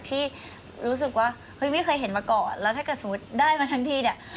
ที่รู้สึกว่าเฮ้ยไม่เคยเห็นมาก่อนแล้วถ้าเกิดสมมุติได้มาทั้งทีเนี่ย